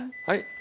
はい。